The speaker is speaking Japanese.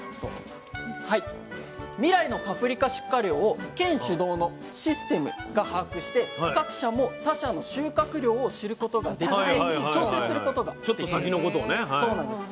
未来のパプリカ出荷量を県主導のシステムが把握して各社も他社の収穫量を知ることができて調整することができるんです。